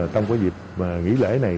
trong cái dịp nghỉ lễ này